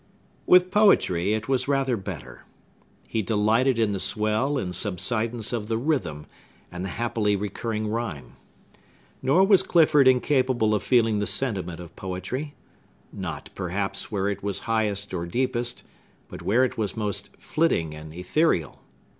With poetry it was rather better. He delighted in the swell and subsidence of the rhythm, and the happily recurring rhyme. Nor was Clifford incapable of feeling the sentiment of poetry,—not, perhaps, where it was highest or deepest, but where it was most flitting and ethereal.